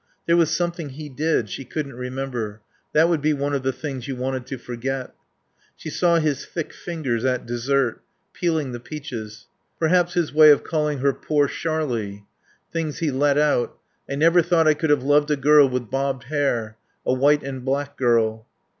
There was something he did. She couldn't remember. That would be one of the things you wanted to forget. She saw his thick fingers at dessert, peeling the peaches. Perhaps his way of calling her "Poor Sharlie?" Things he let out "I never thought I could have loved a girl with bobbed hair. A white and black girl."